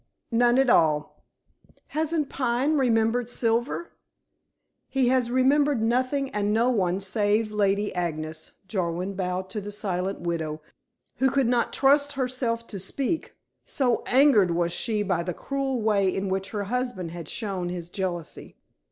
"None at all." "Hasn't Pine remembered Silver?" "He has remembered nothing and no one save Lady Agnes." Jarwin bowed to the silent widow, who could not trust herself to speak, so angered was she by the cruel way in which her husband had shown his jealousy.